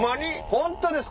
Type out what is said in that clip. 本当です！